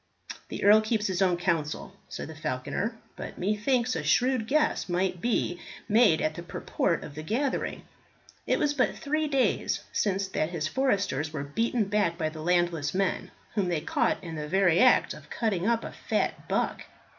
"The earl keeps his own counsel," said the falconer, "but methinks a shrewd guess might be made at the purport of the gathering. It was but three days since that his foresters were beaten back by the landless men, whom they caught in the very act of cutting up a fat buck.